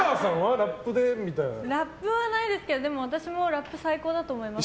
ラップはないですけど私もラップ最高だと思います。